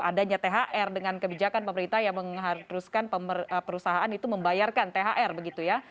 adanya thr dengan kebijakan pemerintah yang mengharuskan perusahaan itu membayarkan thr begitu ya